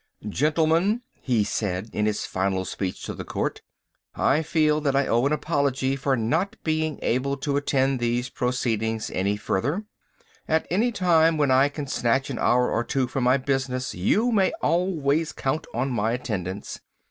"Gentlemen," he said, in his final speech to the court, "I feel that I owe an apology for not being able to attend these proceedings any further. At any time, when I can snatch an hour or two from my business, you may always count on my attendance.